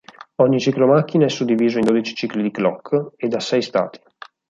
Ogni ciclo macchina è suddiviso in dodici cicli di clock, e da sei stati.